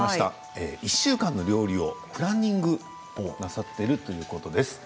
１週間の料理をプランニングなさっているということですね。